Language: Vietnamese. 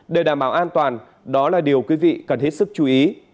để đảm bảo an toàn đó là điều quý vị cần hết sức chú ý